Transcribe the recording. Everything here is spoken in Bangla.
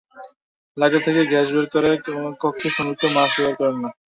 লাইটার থেকে গ্যাস বের করার কক্ষে শ্রমিকেরা মাস্ক ব্যবহার করেন না।